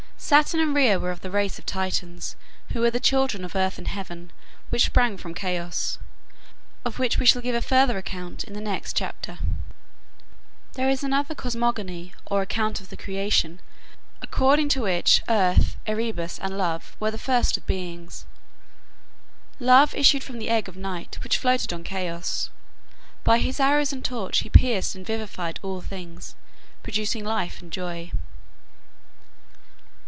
Saturn and Rhea were of the race of Titans, who were the children of Earth and Heaven, which sprang from Chaos, of which we shall give a further account in our next chapter. There is another cosmogony, or account of the creation, according to which Earth, Erebus, and Love were the first of beings. Love (Eros) issued from the egg of Night, which floated on Chaos. By his arrows and torch he pierced and vivified all things, producing life and joy.